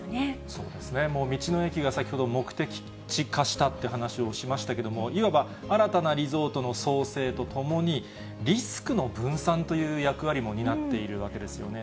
そうですね、もう道の駅が先ほど目的地化したという話をしましたけれども、いわば新たなリゾートの創生とともに、リスクの分散という役割も担っているわけですよね。